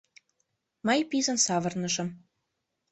Мый писын савырнышым.